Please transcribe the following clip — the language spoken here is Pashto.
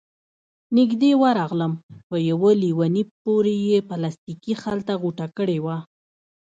نږدې ورغلم، په يوه ليوني پورې يې پلاستيکي خلطه غوټه کړې وه،